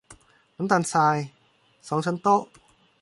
น้ำตาลทราย สองช้อนโต๊ะ